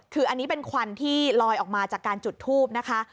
คืออันนี้เป็นควันที่ลอยออกมาจากการจุดทูบนะคะ